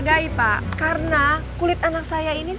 mami kok aku mau disorakin sih